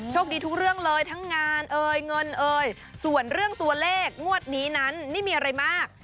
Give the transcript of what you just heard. ดีทุกเรื่องเลยทั้งงานเอ่ยเงินเอ่ยส่วนเรื่องตัวเลขงวดนี้นั้นไม่มีอะไรมาก